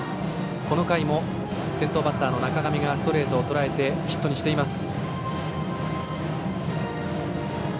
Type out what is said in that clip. この回も先頭バッターの中上がストレートをとらえてヒットにしています。